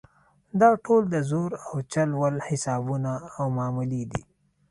دا ټول د زور او چل ول حسابونه او معاملې دي.